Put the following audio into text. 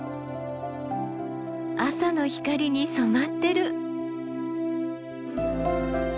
朝の光に染まってる。